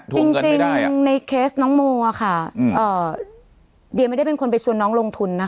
จริงในเคสน้องโมค่ะเดียไม่ได้เป็นคนไปชวนน้องลงทุนนะคะ